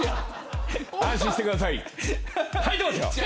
安心してください